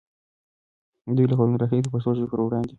دوی له کلونو راهیسې د پښتو ژبې پر وړاندې